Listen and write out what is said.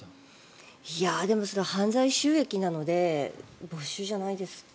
でもそれは犯罪収益なので没収じゃないですかね？